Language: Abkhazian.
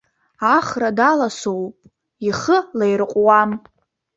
Ахра даласоуп, ихы лаирҟәуам!